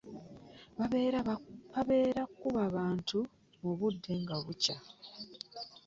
Bakeera kubba bantu mu budde nga bukya.